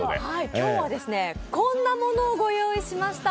今日はこんなものをご用意しました。